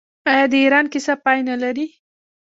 آیا د ایران کیسه پای نلري؟